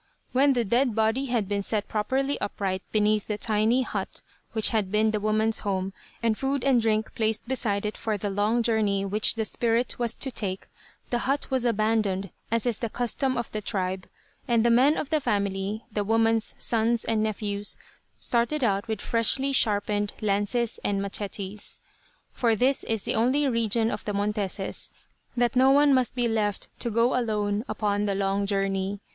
When the dead body had been set properly upright beneath the tiny hut which had been the woman's home, and food and drink placed beside it for the long journey which the spirit was to take, the hut was abandoned, as is the custom of the tribe, and the men of the family, the woman's sons and nephews, started out with freshly sharpened lances and "mechetes." For this is the only religion of the Monteses; that no one must be left to go alone upon the long journey.